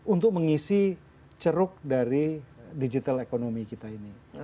untuk mengisi ceruk dari digital economy kita ini